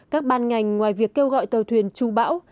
các ban ngành ngoài việc kêu gọi tàu thuyền trụ bão